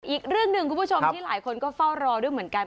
อีกเรื่องหนึ่งคุณผู้ชมที่หลายคนก็เฝ้ารอด้วยเหมือนกัน